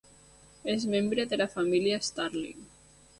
És membre de la família Starling.